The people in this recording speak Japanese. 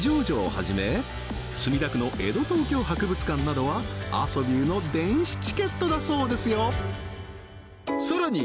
城をはじめ墨田区の江戸東京博物館などはアソビューの電子チケットだそうですよ